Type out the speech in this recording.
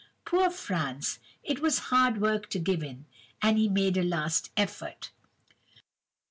"Poor Franz! It was hard work to give in, and he made a last effort.